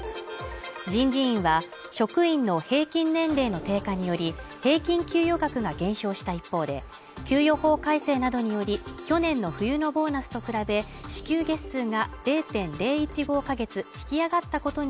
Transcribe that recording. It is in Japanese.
人事院は職員の平均年齢の低下により平均給与額が減少した一方で給与法改正などにより去年の冬のボーナスと比べ支給月数が